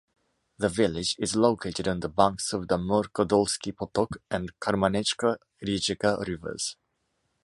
The village is located on the banks of the Mrkodolski potok and Kamenička rijeka rivers.